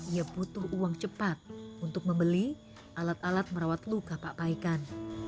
ia butuh uang cepat untuk membeli alat alat merawat luka pak paikan